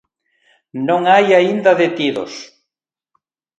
Non hai aínda detidos.